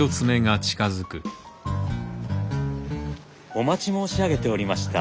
お待ち申し上げておりました。